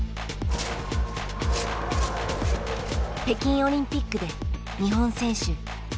北京オリンピックで日本選手